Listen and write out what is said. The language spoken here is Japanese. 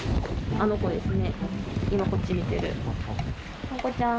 この子ですね。